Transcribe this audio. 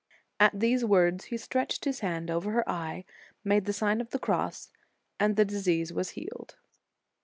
At these words he stretched his hand over her eye, made the Sign of the Cross, and the disease was healed."